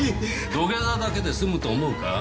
土下座だけで済むと思うか？